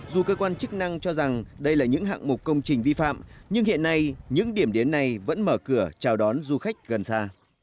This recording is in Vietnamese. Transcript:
dù cơ quan chức năng cho rằng đây là những hạng mục công trình vi phạm nhưng hiện nay những điểm đến này vẫn mở cửa chào đón du khách gần xa